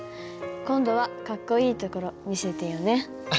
今度はかっこいいところ見せてよね」。